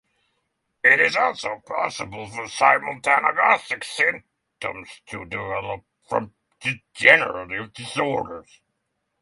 It is also possible for simultanagnosic symptoms to develop from degenerative disorders.